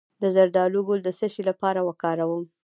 د زردالو ګل د څه لپاره وکاروم؟